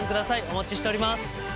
お待ちしております。